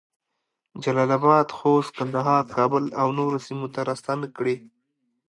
جلال اباد، خوست، کندهار، کابل اونورو سیمو ته راستنه کړې